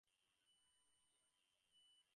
ওকে ফিরিয়ে আনতে পারো।